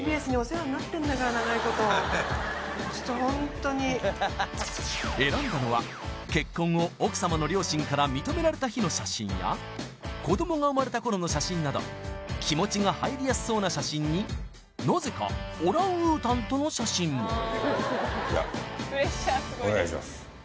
長いことちょっとホントに選んだのは結婚を奥様の両親から認められた日の写真や子どもが生まれた頃の写真など気持ちが入りやすそうな写真になぜかオランウータンとの写真もじゃお願いします